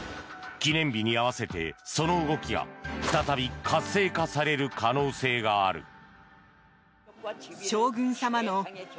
記念日に合わせて、その動きが再び活性化される可能性がある。